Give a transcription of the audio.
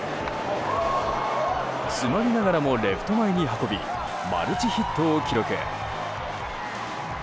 詰まりながらもレフト前に運びマルチヒットを記録。